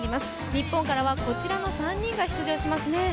日本からはこちらの３人が出場しますね。